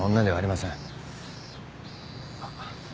あっ。